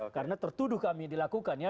karena tertuduh kami dilakukan ya